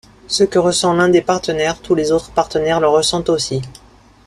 Ce que ressent l'un des partenaires, tous les autres partenaires le ressentent aussi.